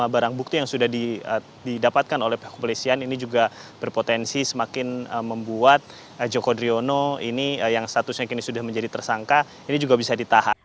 barang bukti yang sudah didapatkan oleh pihak kepolisian ini juga berpotensi semakin membuat joko driono ini yang statusnya kini sudah menjadi tersangka ini juga bisa ditahan